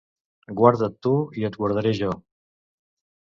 Guarda't tu i et guardaré jo.